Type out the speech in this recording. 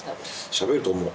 しゃべると思う。